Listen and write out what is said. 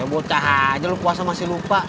bocah aja lu puasa masih lupa